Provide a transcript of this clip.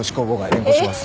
連行します。